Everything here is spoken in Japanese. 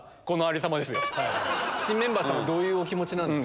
新メンバーさんはどういうお気持ちなんですか？